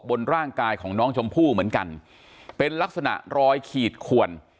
บนร่างกายของน้องชมพู่เหมือนกันเป็นลักษณะรอยขีดขวน